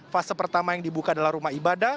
fase pertama yang dibuka adalah rumah ibadah